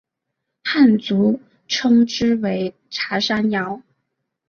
汉族称之为茶山瑶。